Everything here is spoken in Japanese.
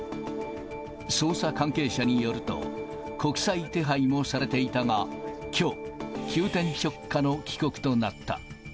捜査関係者によると、国際手配もされていたが、きょう、急転直下の帰国となった。